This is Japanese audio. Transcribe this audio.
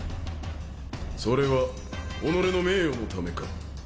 それは己の名誉のためか。